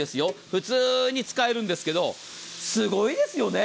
普通に使えるんですけどすごいですよね。